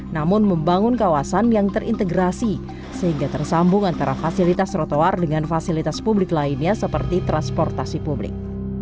namun membangun kawasan yang terintegrasi sehingga tersambung antara fasilitas trotoar dengan fasilitas publik lainnya seperti transportasi publik